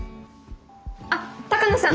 あっ鷹野さん！